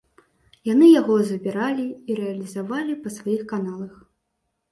Яны яго забіралі і рэалізавалі па сваіх каналах.